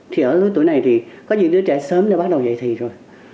thì ở lúc tuổi này thì có những đứa trẻ sớm đã bắt đầu dạy thị rồi